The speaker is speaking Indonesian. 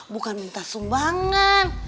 bukan minta sumbangan